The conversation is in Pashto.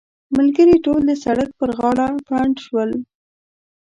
ملګري ټول د سړک پر غاړه پنډ شول.